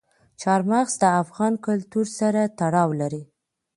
چار مغز د افغان کلتور سره تړاو لري.